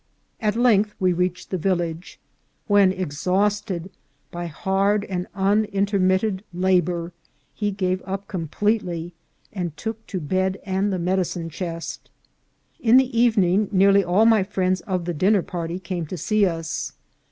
At length we reached the village, when, exhausted by hard and unin termitted labour, he gave up completely, and took to bed and the medicine chest. In the evening nearly all my friends of the dinner party came to see us.